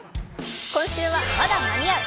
今週は「まだ間に合う！